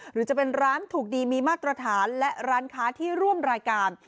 หรือจะเป็นร้านถูกดีมีมาตรฐานและร้านค้าที่ร่วมรายการ